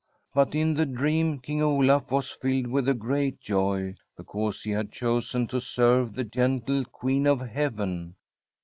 But in the dream King Olaf was filled with a great joy because he had chosen to serve the gentle Queen of Heaven.